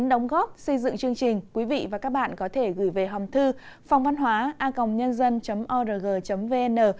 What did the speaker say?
hẹn gặp lại các bạn trong những video tiếp theo